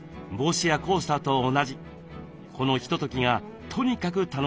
このひとときがとにかく楽しいとか。